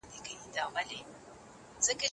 بې قدرتي يو ډېر دردونکی حالت دی.